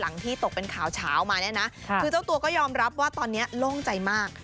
อันนี้ก็ยอมรับว่าตอนนี้โล่งใจมาก